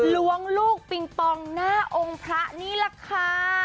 ล้วงลูกปิงปองหน้าองค์พระนี่แหละค่ะ